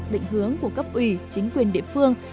định hướng của cấp ủy chính quyền địa phương